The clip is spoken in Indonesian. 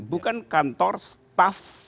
bukan kantor staff